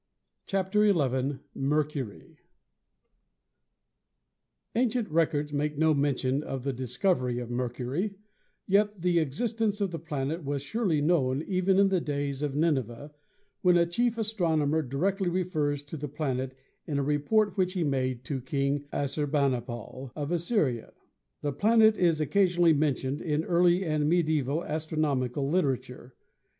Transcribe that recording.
CHAPTER XI Ancient records make no mention of the discovery of Mercury, yet the existence of the planet was surely known even in the days of Nineveh, when a chief astronomer directly refers to the planet in a report which he made to King Assurbanipal of Assyria. The planet is occasionally mentioned in early and medieval astronomical literature.